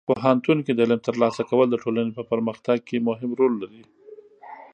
پوهنتون کې د علم ترلاسه کول د ټولنې په پرمختګ کې مهم رول لري.